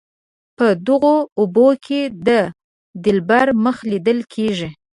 په دغو اوبو کې د دلبر مخ لیدل کیږي.